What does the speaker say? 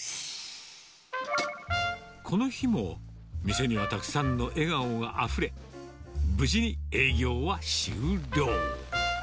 この日も、店にはたくさんの笑顔があふれ、無事に営業は終了。